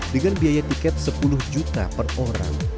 dengan biaya tiket sepuluh juta per orang